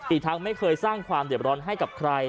อีกทั้งไม่เคยสร้างความเด็บร้อนให้กับใคร